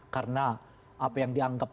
karena apa yang dianggap